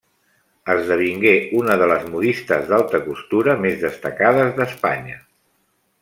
Esdevingué una de les modistes d'alta costura més destacades d'Espanya.